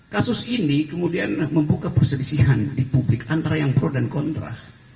kasus ini kemudian membuka perselisihan di publik antara yang pro dan kontra